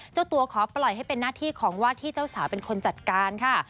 เจ้าตัวขอปล่อยให้เป็นหน้าที่ของวาดที่เจ้าสาวเป็นคนจัดการค่ะ